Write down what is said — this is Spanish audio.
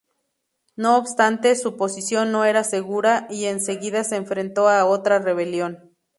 No obstante, su posición no era segura y enseguida se enfrentó a otra rebelión.